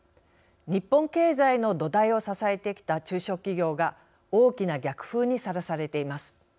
日本経済の土台を支えてきた中小企業が大きな逆風にさらされています。